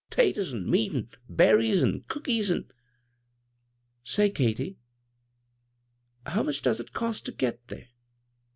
'Taters an' meat, an' berries, an' cookies, an' "" Say, Katy, how much does it cost terget there?"